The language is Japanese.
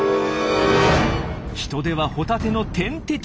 ヒトデはホタテの天敵。